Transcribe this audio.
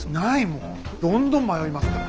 どんどん迷いますから。